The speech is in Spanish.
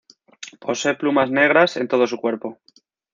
Posee plumas negras en todo su cuerpo.